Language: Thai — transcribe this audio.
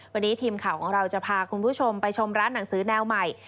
วันนี้ทีมข่าวของเราจะพาคุณผู้ชมไปชมร้านหนังสือแนวใหม่